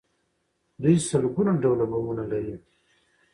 دوی سلګونه ډوله بمونه لري.